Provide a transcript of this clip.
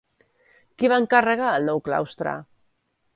Qui va encarregar el nou claustre?